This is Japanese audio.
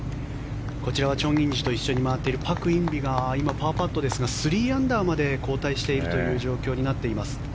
こちらはチョン・インジと一緒に回っているパク・インビが今、パーパットですが３アンダーまで後退しているという状況になっています。